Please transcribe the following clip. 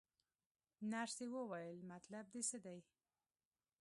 نرسې وویل: مطلب دې څه دی؟